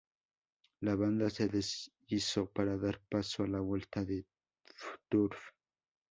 La banda se deshizo para dar paso a la vuelta de Turf.